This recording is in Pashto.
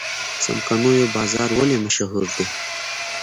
څمکنیو بازار ولې مشهور دی؟